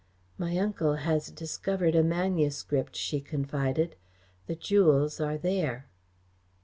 "My uncle has discovered a manuscript," she confided. "The jewels are there."